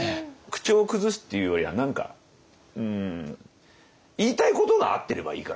口調を崩すっていうよりは何か言いたいことが合ってればいいかなっていう。